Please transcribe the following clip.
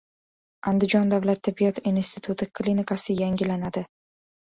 Andijon davlat tibbiyot instituti klinikasi yangilanadi